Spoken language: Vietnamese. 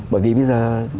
bởi vì bây giờ